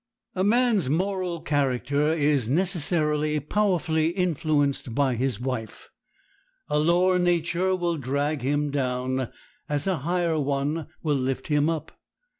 A man's moral character is necessarily powerfully influenced by his wife. A lower nature will drag him down, as a higher one will lift him up.